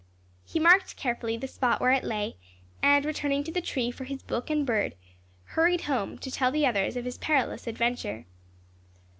He marked carefully the spot where it lay, and returning to the tree for his book and bird, hurried home, to tell the others of his perilous adventure.